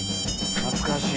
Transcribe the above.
懐かしい。